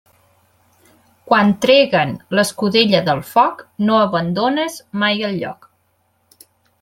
Quan treguen l'escudella del foc, no abandones mai el lloc.